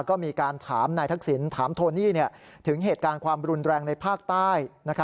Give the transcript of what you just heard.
ก็มีการถามนายทักษิณถามโทนี่ถึงเหตุการณ์ความรุนแรงในภาคใต้